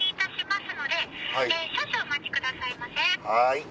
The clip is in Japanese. はい。